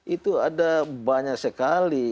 itu ada banyak sekali